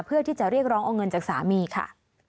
เพื่อที่จะเรียกร้องเอาเงินจากสามีค่ะ